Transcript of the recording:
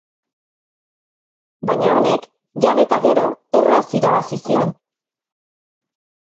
Baina honek jan eta gero erraz irabazi zion.